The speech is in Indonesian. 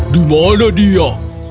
di mana dia